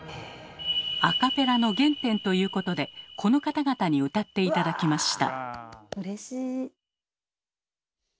アカペラの原点ということでこの方々に歌って頂きました。